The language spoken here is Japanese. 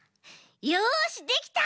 よしできた！